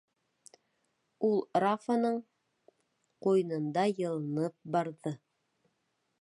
Ул Рафаның ҡуйынында йылынып барҙы.